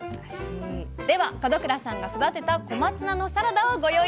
では門倉さんが育てた小松菜のサラダをご用意しました。